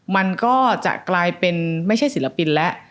มันก็จะกลายเป็นไม่ใช่ศิลปินแล้ว